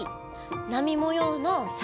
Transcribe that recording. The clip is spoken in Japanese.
なみもようのサメ。